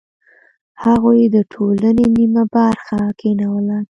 هغوی د ټولنې نیمه برخه کینوله.